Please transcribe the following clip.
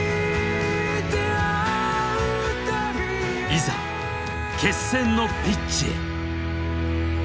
いざ決戦のピッチへ。